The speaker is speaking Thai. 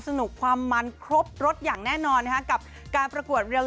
สนุกความมันครบรถอย่างแน่นอนนะคะกับการประกวดเรียล